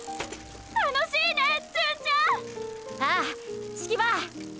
楽しいね純ちゃん！ああ葦木場！